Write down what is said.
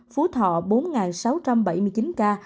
phú thọ bốn sáu trăm bảy mươi chín ca